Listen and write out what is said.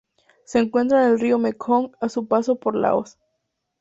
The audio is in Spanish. Se encuentra en el río Mekong a su paso por Laos.